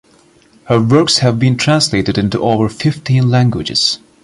Her works have been translated into over fifteen languages.